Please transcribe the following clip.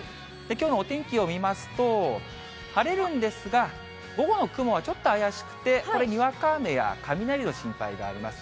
きょうのお天気を見ますと、晴れるんですが、午後の雲はちょっと怪しくて、これ、にわか雨や雷の心配があります。